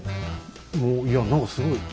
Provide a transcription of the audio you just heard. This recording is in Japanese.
もういや何かすごい。